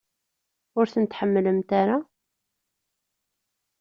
Ur ten-tḥemmlemt ara?